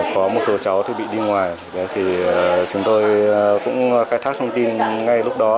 có một số cháu bị đi ngoài chúng tôi cũng khai thác thông tin ngay lúc đó